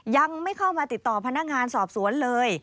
ยังไม่เข้ามาติดต่อพนักงานสอบสวนเลย